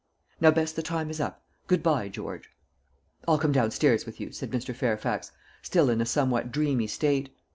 Now, Bess, the time is up. Good bye, George." "I'll come downstairs with you," said Mr. Fairfax, still in a somewhat dreamy state.